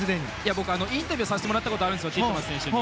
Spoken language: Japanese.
僕、インタビューをさせてもらったことあるんですティットマス選手に。